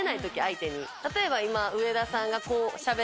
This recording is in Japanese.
例えば今。